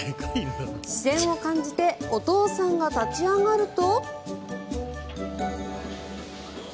視線を感じてお父さんが立ち上がると。